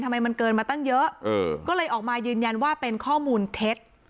มันเกินมาตั้งเยอะก็เลยออกมายืนยันว่าเป็นข้อมูลเท็จ